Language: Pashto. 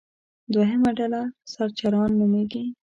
دوهمه ډله سرچران نومېږي.